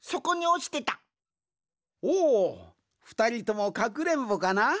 おふたりともかくれんぼかな？